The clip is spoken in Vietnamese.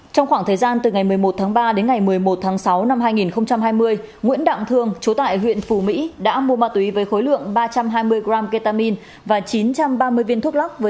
trong khoảng thời gian từ ngày một mươi một tháng ba đến ngày một mươi một tháng sáu năm hai nghìn hai mươi nguyễn đặng thương chú tại huyện phù mỹ đã mua ma túy với khối lượng ba trăm hai mươi gram ketamine và chín trăm ba mươi viên thuốc